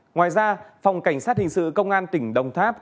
ngoài ra phòng cảnh sát hình sự công an tỉnh đồng tháp